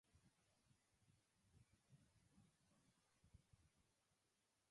Another important destination in Omdurman is Almourada.